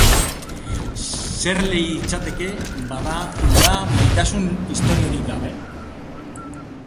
Zer litzateke, bada, uda maitasun istoriorik gabe?